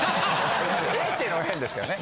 「え」って言うのも変ですけどね。